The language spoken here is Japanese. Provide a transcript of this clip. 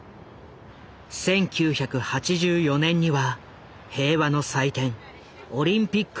１９８４年には平和の祭典・オリンピックも開かれた。